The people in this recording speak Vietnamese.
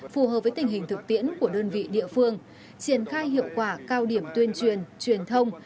phù hợp với tình hình thực tiễn của đơn vị địa phương triển khai hiệu quả cao điểm tuyên truyền truyền thông